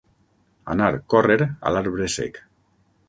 Anar, córrer, a l'arbre sec.